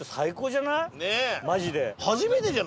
マジで。